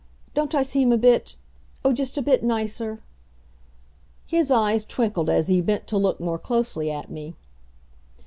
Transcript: Don't I seem a bit oh, just a bit nicer?" His eyes twinkled as he bent to look more closely at me.